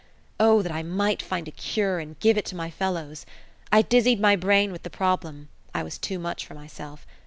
Oh, that I might find a cure and give it to my fellows! I dizzied my brain with the problem; I was too much for myself.